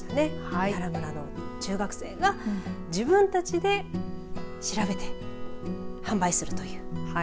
三原村の中学生が自分たちで調べて販売するという。